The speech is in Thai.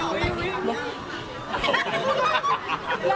ก็คือพี่ที่อยู่เชียงใหม่พี่อธค่ะ